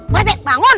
pak rete bangun